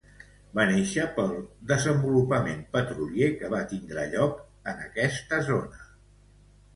Va nàixer pel desenvolupament petrolier que va tindre lloc en esta zona.